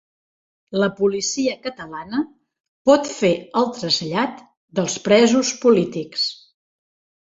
La policia catalana pot fer el trasllat dels presos polítics